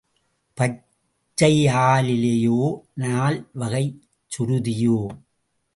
பச்சையாலிலையோ, நால் வகைச் சுருதியோ!